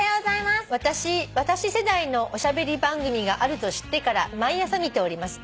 私世代のおしゃべり番組があると知ってから毎朝見ております」